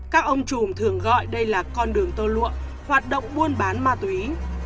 các ông trùm thường gọi đây là con đường tô lụa hoạt động buôn bán ma túy